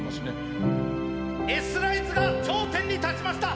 Ｓライズが頂点に立ちました！